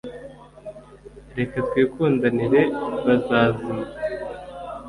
Reka twikundanire bazazima